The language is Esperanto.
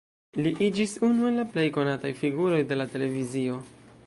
Li iĝis unu el la plej konataj figuroj de la televizio.